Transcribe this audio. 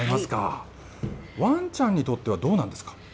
ワンちゃんにとってはどうなんですか？